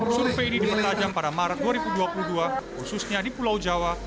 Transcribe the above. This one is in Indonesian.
survei ini dipertajam pada maret dua ribu dua puluh dua khususnya di pulau jawa